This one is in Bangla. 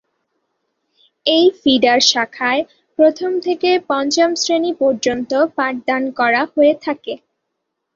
এই ফিডার শাখায় প্রথম থেকে পঞ্চম শ্রেণী পর্যন্ত পাঠদান করা হয়ে থাকে।